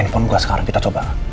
handphone juga sekarang kita coba